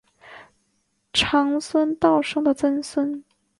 长孙道生的曾孙。